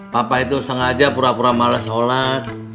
papa itu sengaja pura pura males sholat